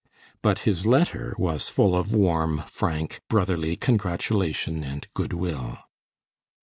But his letter was full of warm, frank, brotherly congratulation and good will.